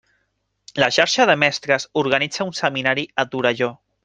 La xarxa de mestres organitza un seminari a Torelló.